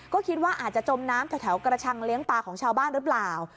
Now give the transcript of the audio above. ก็คิดว่าอาจจะจมน้ำแถวกระชังเลี้ยงปลาของชาวบ้านหรือเปล่า